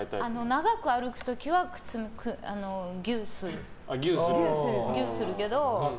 長く歩く時はギューするけど。